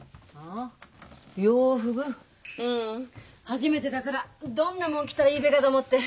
初めてだからどんなもん着たらいいべかと思って。